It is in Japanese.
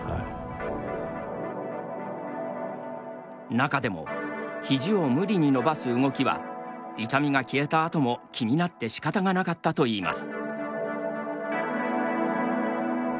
中でもひじを無理に伸ばす動きは痛みが消えたあとも気になってしかたがなかったといいます。